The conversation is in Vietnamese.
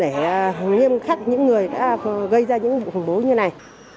để cung cấp lại những người đã gây ra những vụ khủng bố như này